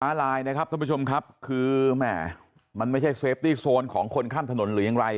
ไลน์นะครับท่านผู้ชมครับคือแหม่มันไม่ใช่เซฟตี้โซนของคนข้ามถนนหรือยังไร